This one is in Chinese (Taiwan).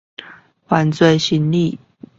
犯罪心理